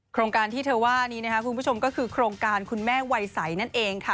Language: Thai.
โครงการที่เธอว่านี้นะคะคุณผู้ชมก็คือโครงการคุณแม่วัยใสนั่นเองค่ะ